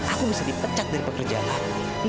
aku bisa dipecat dari pekerjaan aku